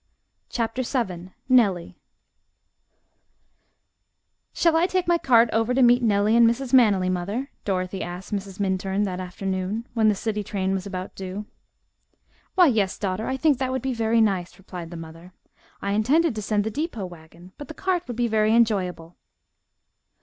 CHAPTER VII NELLIE "Shall I take my cart over to meet Nellie and Mrs. Manily, mother?" Dorothy asked Mrs. Minturn, that afternoon, when the city train was about due. "Why, yes, daughter, I think that would be very nice," replied the mother. "I intended to send the depot wagon, but the cart would be very enjoyable."